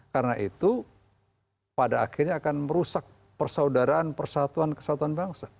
karena itu pada akhirnya akan merusak persaudaraan persatuan dan keamanan